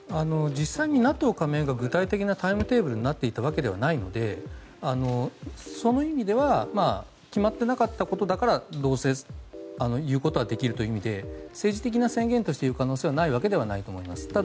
実際にＮＡＴＯ加盟が具体的なタイムテーブルになっていたわけではないのでそういう意味では決まってなかったことだから言うことはできるという意味で政治的な宣言として言う可能性はないわけではないと思います。